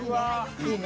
いいね。